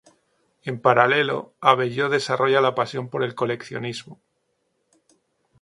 En paralelo, Abelló desarrolla la pasión por el coleccionismo.